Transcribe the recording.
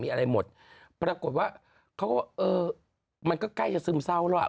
มีอะไรหมดปรากฏว่าเขาก็เออมันก็ใกล้จะซึมเศร้าแล้วอ่ะ